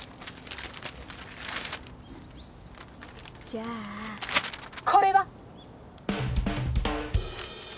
じゃあこれは？